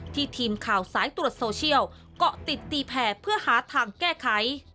ทีมข่าวสายตรวจโซเชียลเกาะติดตีแผ่เพื่อหาทางแก้ไข